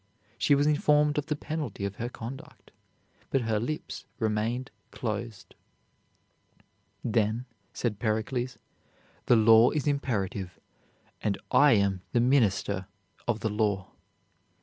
She was informed of the penalty of her conduct, but her lips remained closed. "Then," said Pericles, "the law is imperative, and I am the minister of the law.